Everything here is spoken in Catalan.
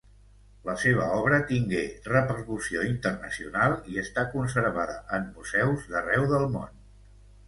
La seva obra tingué repercussió internacional i està conservada en museus d'arreu del món.